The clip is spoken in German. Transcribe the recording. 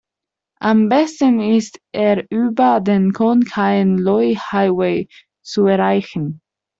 Am besten ist er über den Khon Kaen-Loei-Highway zu erreichen.